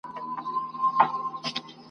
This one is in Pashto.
چي وګړي د یوه پلار د وطن یو !.